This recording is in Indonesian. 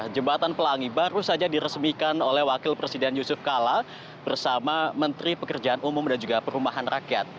jembatan pelangi baru saja diresmikan oleh wakil presiden yusuf kala bersama menteri pekerjaan umum dan juga perumahan rakyat